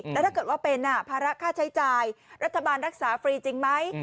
แต่ถ้าเกิดว่าเป็นภาระค่าใช้จ่ายรัฐบาลรักษาฟรีจริงไหม